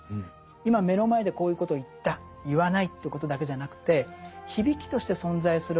今目の前でこういうことを言った言わないということだけじゃなくて響きとして存在する